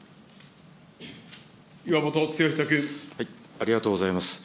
ありがとうございます。